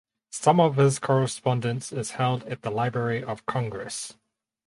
Some of his correspondence is held at the Library of Congress.